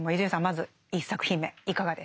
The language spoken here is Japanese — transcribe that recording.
まず１作品目いかがでしたか？